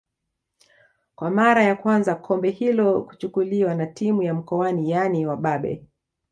Kwa mara ya kwanza kombe hilo kuchukuliwa na timu ya mkoani yaani wababe